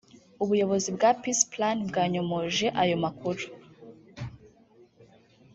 ubuyobozi bwa Peace Plan bwanyomoje ayo makuru